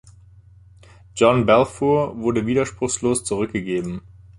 John Balfour wurde widerspruchslos zurückgegeben.